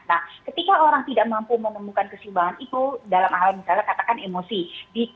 nah ketika orang tidak mampu menemukan kesumbangan itu dalam hal misalnya katakan emosi